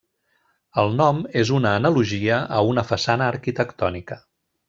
El nom és una analogia a una façana arquitectònica.